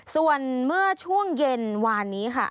ส่วนเมื่อช่วงเย็นวานนี้ค่ะ